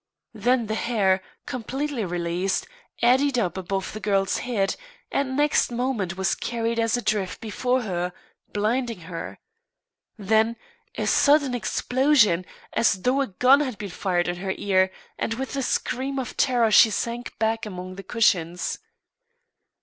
Then the hair, completely released, eddied up above the girl's head, and next moment was carried as a drift before her, blinding her. Then a sudden explosion, as though a gun had been fired into her ear; and with a scream of terror she sank back among the cushions.